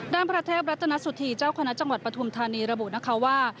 พระเทพรัตนสุธีเจ้าคณะจังหวัดปฐุมธานีระบุนะคะว่า